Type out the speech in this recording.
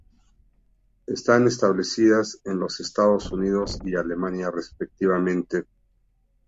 Están establecidas en los Estados Unidos y Alemania respectivamente.